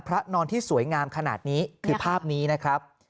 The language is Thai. นอนที่สวยงามขนาดนี้คือภาพนี้นะครับ